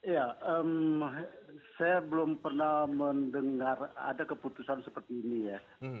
ya saya belum pernah mendengar ada keputusan seperti ini ya